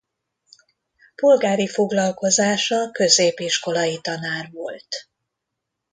Polgári foglalkozása középiskolai tanár volt.